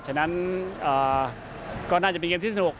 ฉะนั้นก็น่าจะเป็นเกมที่สนุก